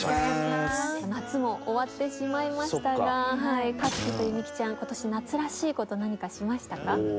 夏も終わってしまいましたがかっきーと弓木ちゃん今年夏らしいこと何かしましたか？